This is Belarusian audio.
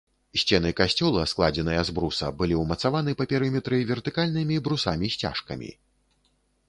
Сцены касцёла, складзеныя з бруса, былі ўмацаваны па перыметры вертыкальнымі брусамі-сцяжкамі.